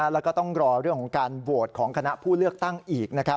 แล้วก็ต้องรอเรื่องของการโหวตของคณะผู้เลือกตั้งอีก